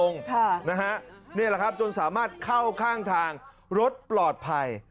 นี่แหละครับจนสามารถเข้าข้างทางรถปลอดภัย